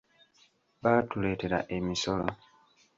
Baatuleetera emisolo.